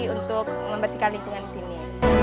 untuk membersihkan lingkungan di sini